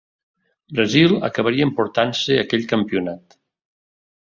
Brasil acabaria emportant-se aquell campionat.